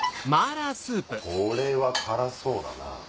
これは辛そうだな。